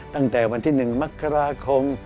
ตั้งแต่วันที่๑มกราคม